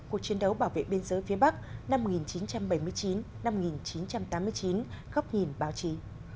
cuộc chiến đấu bảo vệ biên giới phía bắc năm một nghìn chín trăm bảy mươi chín một nghìn chín trăm tám mươi chín góc nhìn báo chí